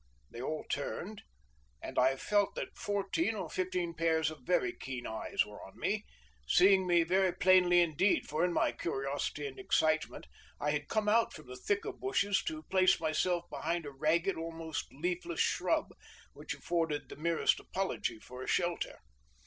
They all turned, and then I felt that fourteen or fifteen pairs of very keen eyes were on me, seeing me very plainly indeed, for in my curiosity and excitement I had come out from the thicker bushes to place myself behind a ragged, almost leafless shrub, which afforded the merest apology for a shelter.